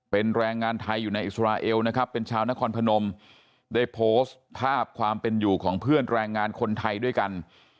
เป็นแรงงานไทยอยู่ในอิสราเอลนะครับเป็นชาวนครพนมได้โพสต์ภาพความเป็นอยู่ของเพื่อนแรงงานคนไทยด้วยกัน